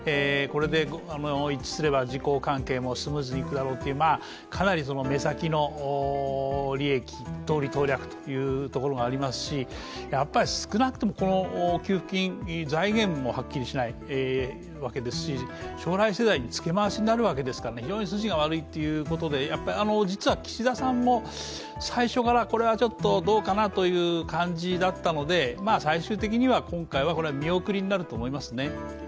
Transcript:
これで一致すれば自公関係もスムーズにいくだろうというかなり目先の利益、党利党略というのがありますし、やっぱり少なくとも給付金財源もはっきりしないわけですし将来世代につけ回しになるわけですから非常に筋が悪いということで、実は岸田さんも最初からこれはちょっとどうかなという感じだったので、最終的には今回は見送りになると思いますね。